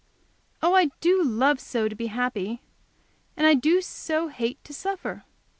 Oh, I do love so to be happy! I do so hate to suffer!